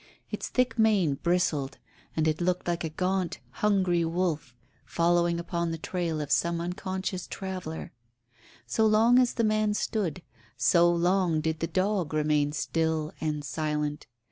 Its thick mane bristled, and it looked like a gaunt, hungry wolf following upon the trail of some unconscious traveller. So long as the man stood, so long did the dog remain still and silent.